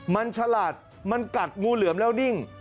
มันฉลาดมันกัดงูเหลือมแล้วนิ่ง